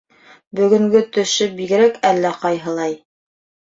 Бөгөнгө төшө бигерәк әллә ҡайһылай.